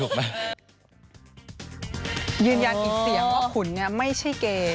ยืนยันอีกเสียงว่าขุนไม่ใช่เกย์